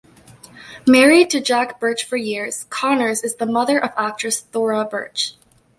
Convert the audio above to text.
Married to Jack Birch for years, Connors is the mother of actress Thora Birch.